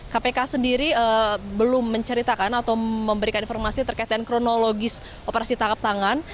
kpk sendiri belum menceritakan atau memberikan informasi terkait dengan kronologis operasi tangkap tangan